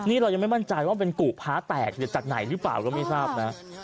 นี่เรายังไม่มั่นใจว่าเป็นกุพระแตกจากไหนหรือเปล่าก็ไม่ทราบนะ